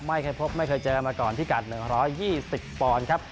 ไม่เคยพบไม่เคยเจอมาก่อนพิกัด๑๒๐ปอนด์ครับ